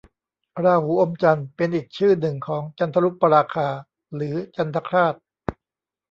ราหูอมจันทร์ เป็นอีกชื่อหนึ่งของจันทรุปราคา หรือจันทรคราส